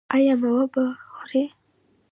ایا میوه به خورئ؟